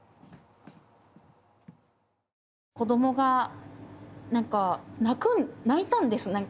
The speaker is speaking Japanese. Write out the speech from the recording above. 子どもがなんか泣いたんですなんか。